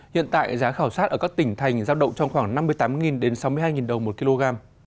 hiện tại giá khảo sát ở các tỉnh thành giao động trong khoảng năm mươi tám sáu mươi hai đồng một kg